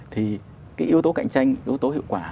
thì cái yếu tố cạnh tranh yếu tố hiệu quả